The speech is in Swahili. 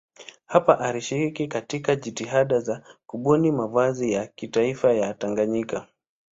Hapa alishiriki katika jitihada za kubuni mavazi ya kitaifa ya Tanganyika.